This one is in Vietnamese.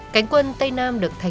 cánh quân tây nam được thay đổi